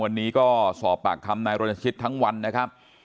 วันนี้ก็สอบปากคำนายรณชิตทั้งวันนะครับ